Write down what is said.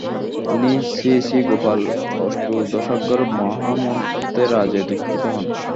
তিনি শ্রীশ্রীগোপাল অষ্টাদশাক্ষর মহামন্ত্রেরাজে দীক্ষিত হন।